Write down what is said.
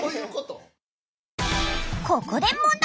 ここで問題！